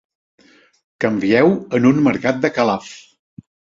Canvieu en un mercat de Calaf.